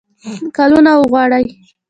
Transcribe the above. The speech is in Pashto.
کلونو وغواړي.